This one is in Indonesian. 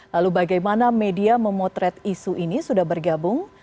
lalu bagaimana media memotret isu ini sudah bergabung